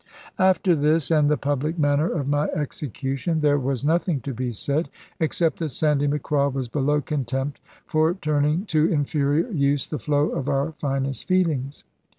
After this, and the public manner of my execution, there was nothing to be said, except that Sandy Macraw was below contempt for turning to inferior use the flow of our finest feelings.